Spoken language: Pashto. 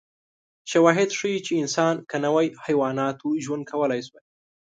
شواهد ښيي چې انسان که نه وای، حیواناتو ژوند کولای شوی.